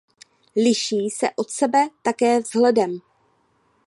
Liší se od sebe také vzhledem.